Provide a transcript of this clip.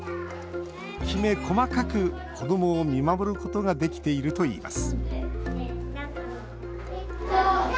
きめ細かく子どもを見守ることができているといいます